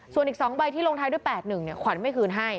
ส่วนอีก๒ใบที่ลงท้ายด้วย๘๑ขวัญไม่คืนให้